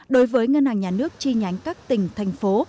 đối với ngân hàng nhà nước chi nhánh các tỉnh thành phố